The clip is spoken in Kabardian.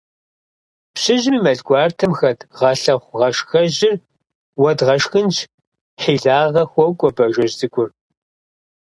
– Пщыжьым и мэл гуартэм хэт гъэлъэхъугъашхэжьыр уэдгъэшхынщ! – хьилагъэ хуокӀуэ Бажэжь цӀыкӀур.